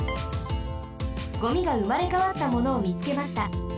ゴミがうまれかわったものをみつけました。